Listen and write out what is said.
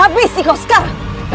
aku sudah menghapusmu sekarang